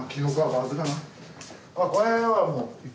わっこれはもう。